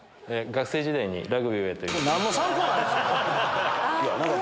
学生時代にラグビーをやっておりました。